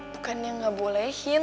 bukannya gak bolehin